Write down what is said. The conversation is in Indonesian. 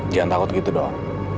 jangan takut gitu dong